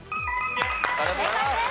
正解です。